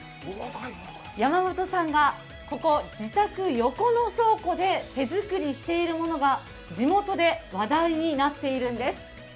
山本さんが自宅横の倉庫で作ったのが地元で話題になっているんです。